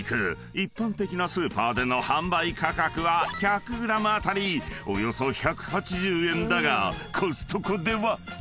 ［一般的なスーパーでの販売価格は１００ｇ当たりおよそ１８０円だがコストコでは］